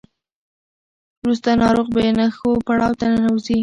وروسته ناروغ بې نښو پړاو ته ننوځي.